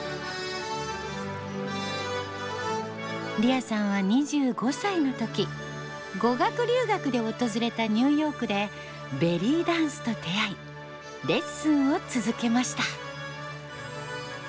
Ｒｈｉａさんは２５歳の時語学留学で訪れたニューヨークでベリーダンスと出会いレッスンを続けました。